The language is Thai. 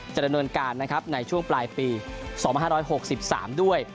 ดำเนินการนะครับในช่วงปลายปี๒๕๖๓ด้วย